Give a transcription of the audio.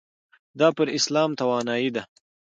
دا پر اسلام توانایۍ ده.